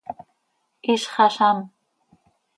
¡Hizx azám!